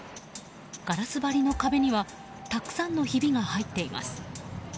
ガラス張りの壁にはたくさんのヒビが入っています。